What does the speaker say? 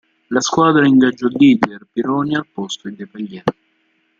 La squadra ingaggiò Didier Pironi al posto di Depailler.